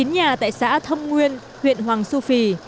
chín nhà tại xã thâm nguyên huyện hoàng su phi